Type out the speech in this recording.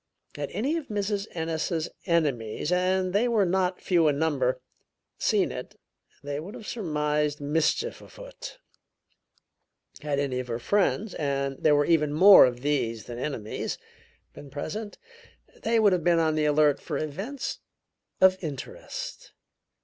Had any of Mrs. Ennis's enemies, and they were not few in number, seen it, they would have surmised mischief afoot; had any of her friends, and there were even more of these than enemies, been present, they would have been on the alert for events of interest.